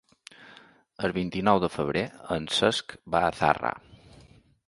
El vint-i-nou de febrer en Cesc va a Zarra.